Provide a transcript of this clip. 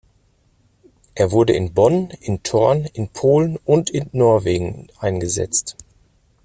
Er wurde in Bonn, in Thorn, in Polen und in Norwegen eingesetzt.